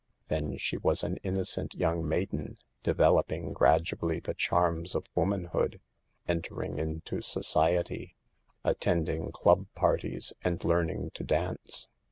Then she was an innocent young maiden, developing gradually the charms of womanhood, entering into society, attending club parties, and learn ing to dance.